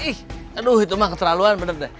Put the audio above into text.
ih aduh itu mah keterlaluan bener deh